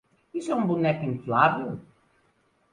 Isso é um boneco inflável?